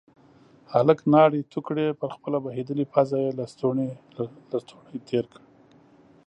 هلک لاړې تو کړې، پر خپله بهيدلې پزه يې لستوڼی تير کړ.